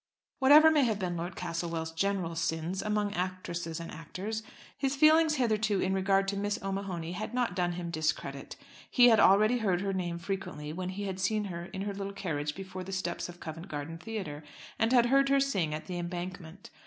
Whatever may have been Lord Castlewell's general sins among actresses and actors, his feelings hitherto in regard to Miss O'Mahony had not done him discredit. He had already heard her name frequently when he had seen her in her little carriage before the steps of Covent Garden Theatre, and had heard her sing at "The Embankment."